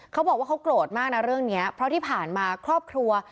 เขาบอกว่าเขาโกรธมากนะเรื่องนี้เพราะที่ผ่านมาครอบครัว